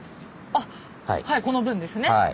あっはいこの分ですね。